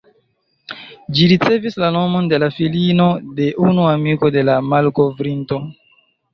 Ĝi ricevis la nomon de la filino de unu amiko de la malkovrinto.